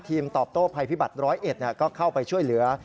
ทีมตอบโตไพพิบัติ๑๐๑ก็เข้าไปช่วยเหลือ